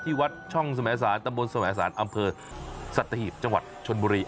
วัดช่องสมสารตำบลสมสารอำเภอสัตหีบจังหวัดชนบุรี